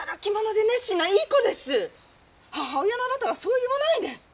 母親のあなたがそう言わないで。